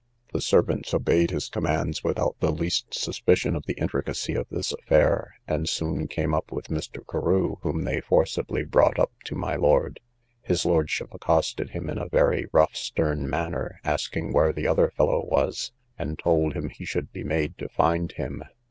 The servants obeyed his commands without the least suspicion of the intricacy of this affair, and soon came up with Mr. Carew, whom they forcibly brought up to my lord. His lordship accosted him in a very rough stern manner, asking where the other fellow was, and told him he should be made to find him.